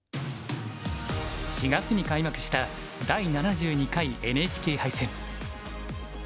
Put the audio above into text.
４月に開幕した第７２回ＮＨＫ杯戦。